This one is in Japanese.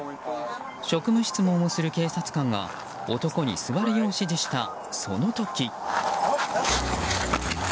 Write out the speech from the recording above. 職務質問をする警察官が男に座るよう指示した、その時。